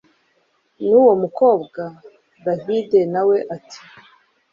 nuwo mukobwa! davide nawe ati